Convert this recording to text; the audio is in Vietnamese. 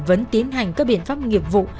vẫn tiến hành các biện pháp nghiệp vụ